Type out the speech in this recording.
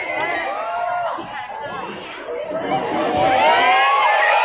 เวลาแรกพี่เห็นแวว